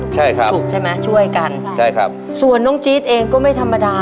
ใช่ครับใช่ครับส่วนน้องจี๊ดเองก็ไม่ธรรมดา